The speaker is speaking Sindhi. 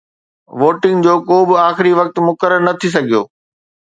ووٽنگ جو ڪو به آخري وقت مقرر نه ٿي سگهيو